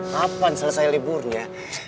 kapan selesai liburnya